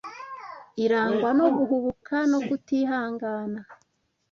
irangwa no guhubuka no kutihangana